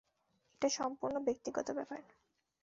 এটা সম্পূর্ণ ব্যক্তিগত ব্যাপার।